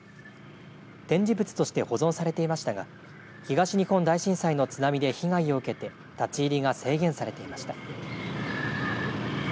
展示物として保存されていましたが東日本大震災の津波で被害を受けて立ち入りが制限されていました。